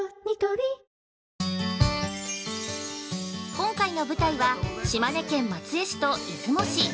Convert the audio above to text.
◆今回の舞台は、島根県松江市と出雲市。